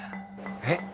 えっ！？